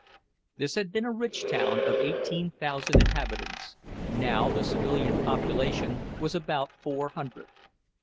This had been a rich town of eighteen thousand inhabitants; now the civilian population was about four hundred.